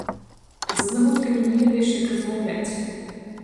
З аднагодкамі не ведаеш, як размаўляць.